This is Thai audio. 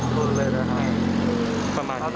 อ๋อตั้งแต่เกิดอะไรเลยนะฮะ